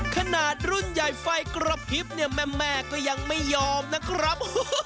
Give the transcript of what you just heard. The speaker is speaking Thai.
ขนาดรุ่นใหญ่ไฟกระพริบเนี่ยแม่ก็ยังไม่ยอมนะครับ